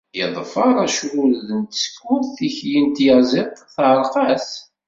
Yeḍfer acrured n tsekkurt, tikli n tyaẓiḍt teɛreq-as.